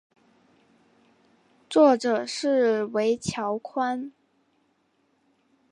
作者是椎桥宽。